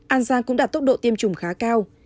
an giang cũng đạt tốc độ tiêm chủng khá cao